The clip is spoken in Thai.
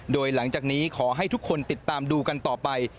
โดยหลังจากนี้ขอให้ทุกคนติดตามดูกันต่อไป